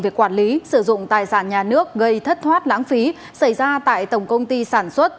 về quản lý sử dụng tài sản nhà nước gây thất thoát lãng phí xảy ra tại tổng công ty sản xuất